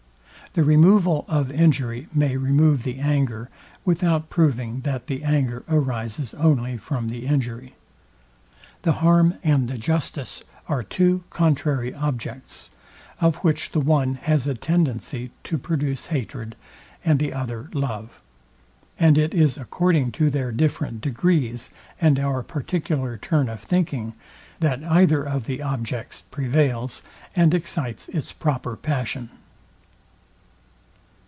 The removal of injury may remove the anger, without proving that the anger arises only from the injury. The harm and the justice are two contrary objects, of which the one has a tendency to produce hatred, and the other love; and it is according to their different degrees, and our particular turn of thinking, that either of the objects prevails, and excites its proper passion.